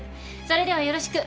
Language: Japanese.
それではよろしく。